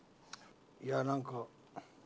いやなんか。